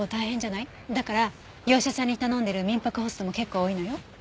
だから業者さんに頼んでる民泊ホストも結構多いのよ。